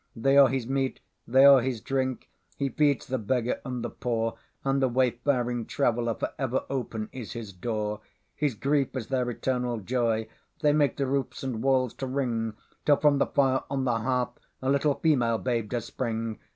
They are his meat, they are his drink; He feeds the beggar and the poorAnd the wayfaring traveller:For ever open is his door. His grief is their eternal joy; They make the roofs and walls to ring; Till from the fire on the hearthA little Female Babe does spring.